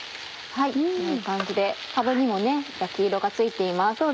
こんな感じでかぶにも焼き色がついています。